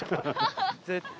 絶対。